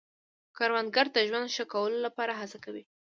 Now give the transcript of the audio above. کروندګر د ژوند ښه کولو لپاره هڅه کوي